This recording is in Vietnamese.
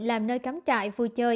làm nơi cắm trại vui chơi